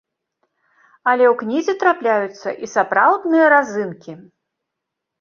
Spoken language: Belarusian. Але ў кнізе трапляюцца і сапраўдныя разынкі.